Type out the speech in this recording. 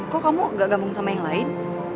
kok kamu gak gabung sama yang lain